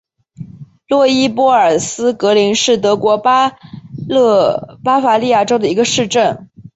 洛伊波尔茨格林是德国巴伐利亚州的一个市镇。